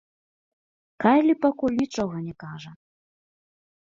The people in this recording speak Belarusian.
Кайлі пакуль нічога не кажа.